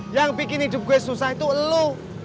yang bikin hidup gue susah itu lo